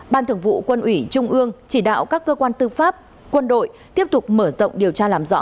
ban thường vụ quân ủy trung ương chỉ đạo các cơ quan tư pháp quân đội tiếp tục mở rộng điều tra làm rõ